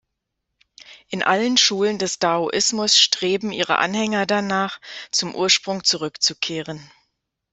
In allen Schulen des Daoismus streben ihre Anhänger danach, zum Ursprung zurückzukehren.